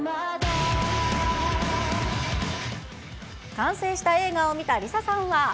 完成した映画を見たＬｉＳＡさんは。